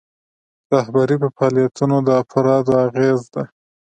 رهبري په فعالیتونو د افرادو اغیزه ده.